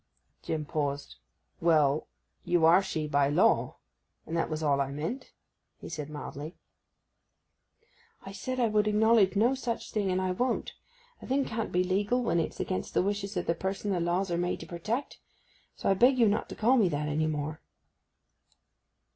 Jim paused. 'Well, you are she by law, and that was all I meant,' he said mildly. 'I said I would acknowledge no such thing, and I won't. A thing can't be legal when it's against the wishes of the persons the laws are made to protect. So I beg you not to call me that anymore.